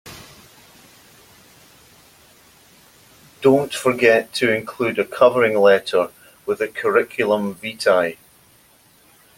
Don't forget to include a covering letter with the curriculum vitae.